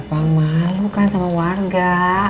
pak malu kan sama warga